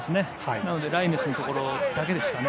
なので、ライネスのところだけですかね。